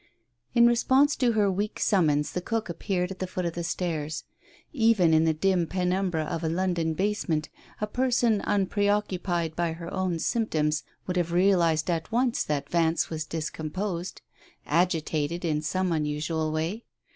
In response to her weak summons the cook appeared at the foot of the stairs. Even in the dim penumbra of a London basement, a person unpreoccupied by her own symptoms would have realized at once that Vance was discomposed — agitated in some unusual way.